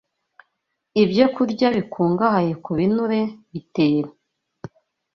ibyokurya bikungahaye ku binure bitera.